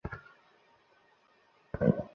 এখনও পছন্দ করো কি?